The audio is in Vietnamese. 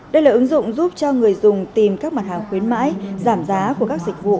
đây là ứng dụng giúp cho người dùng tìm các mặt hàng khuyến mãi giảm giá của các dịch vụ